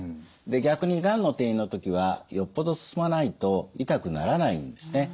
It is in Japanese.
で逆にがんの転移の時はよっぽど進まないと痛くならないんですね。